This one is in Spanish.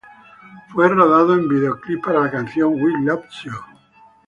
Fue rodado un videoclip para la canción "We've Lost You".